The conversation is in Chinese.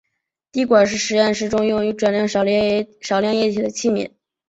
滴管是实验室中用于转移少量液体的器皿。